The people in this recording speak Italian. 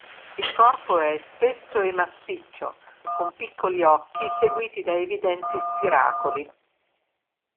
Il corpo è spesso e massiccio, con piccoli occhi seguiti da evidenti spiracoli.